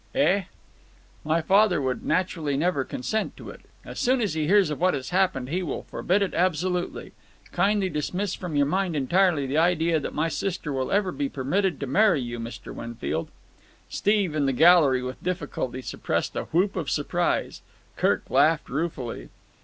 "Eh?" "My father would naturally never consent to it. As soon as he hears of what has happened he will forbid it absolutely. Kindly dismiss from your mind entirely the idea that my sister will ever be permitted to marry you, Mr. Winfield." Steve, in the gallery, with difficulty suppressed a whoop of surprise. Kirk laughed ruefully.